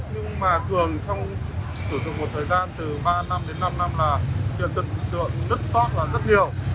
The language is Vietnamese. nhưng mà thường trong sử dụng một thời gian từ ba năm đến năm năm là thường tượng nứt tóc là rất nhiều